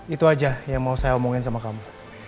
itu aja yang mau saya omongin sama kamu